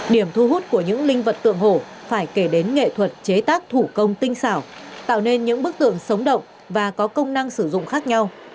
điểm thu hút của những linh vật tượng hổ phải kể đến nghệ thuật chế tác thủ công tinh xảo tạo nên những bức tượng sống động và có công năng sử dụng khác nhau